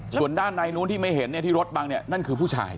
ส่วนด้านในนู้นที่ไม่เห็นที่รถบังเนี่ยนั่นคือผู้ชาย